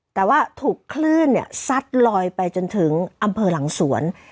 แต่ว่าถูกคลื่นซัดลอยไปจนถึงอำเภอหลังสวน